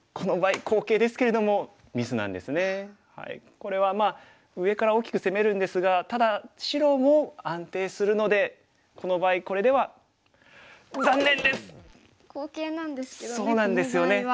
これはまあ上から大きく攻めるんですがただ白も安定するのでこの場合これでは好形なんですけどねこの場合は。